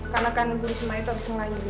karena kan ibu risma itu habis ngelayurin